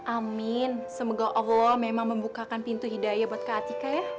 amin semoga allah memang membukakan pintu hidayah buat kak atika ya